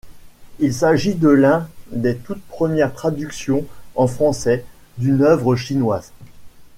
Il s'agit de l'un des toutes premières traductions en français d'une œuvre chinoise.